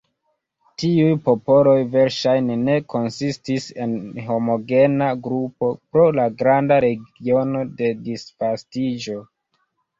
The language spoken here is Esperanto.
Tiuj popoloj verŝajne ne konsistis el homogena grupo pro la granda regiono de disvastiĝo.